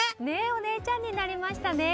お姉ちゃんになりましたね。